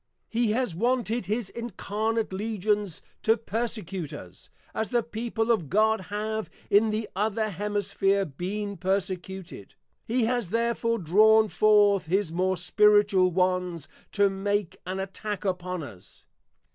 He has wanted his Incarnate Legions to Persecute us, as the People of God have in the other Hemisphere been Persecuted: he has therefore drawn forth his more Spiritual ones to make an Attacque upon us.